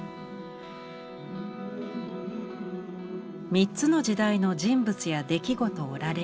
３つの時代の人物や出来事を羅列。